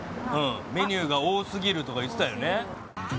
「メニューが多すぎる」とか言ってたよね。